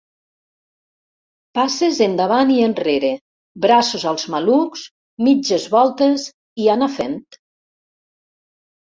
Passes endavant i enrere, braços als malucs, mitges voltes i anar fent.